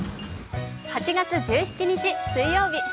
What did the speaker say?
８月１７日水曜日。